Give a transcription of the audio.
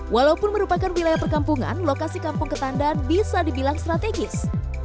walaupun merupakan wilayah perkampungan lokasi kampung ketandaan bisa dibilang strategis